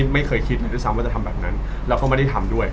ไม่เคยคิดเลยทั้งแต่ทำแบบนั้นแล้วก็ไม่ได้ทำด้วย